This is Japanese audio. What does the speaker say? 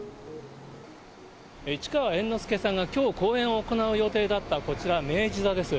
市川猿之助さんがきょう公演を行う予定だったこちら、明治座です。